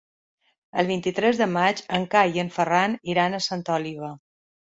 El vint-i-tres de maig en Cai i en Ferran iran a Santa Oliva.